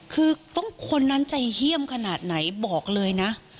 คือต้องคนนั้นใจเฮี่ยมขนาดไหนบอกเลยนะ